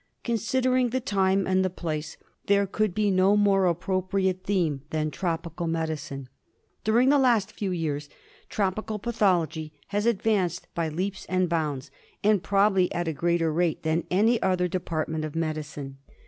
Considering the time and the place there could be no more appropriate theme than Tropical Medicine. During the last few years tropical pathology has advanced by leaps and bounds, and probably at a greater rate than any other department of medicine.